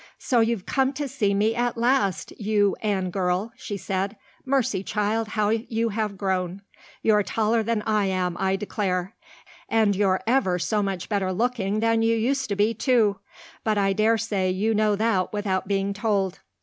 "So you've come to see me at last, you Anne girl," she said. "Mercy, child, how you have grown! You're taller than I am, I declare. And you're ever so much better looking than you used to be, too. But I dare say you know that without being told."